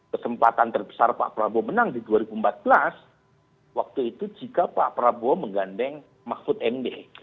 kesempatan terbesar pak prabowo menang di dua ribu empat belas waktu itu jika pak prabowo menggandeng mahfud md